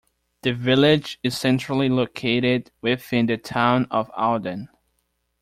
The village is centrally located within the town of Alden.